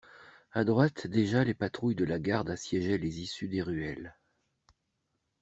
A droite, déjà les patrouilles de la garde assiégeaient les issues des ruelles.